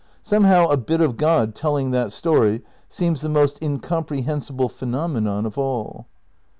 Somehow a. bit of God telling that story seems the most incomprehensible phenomenon of all.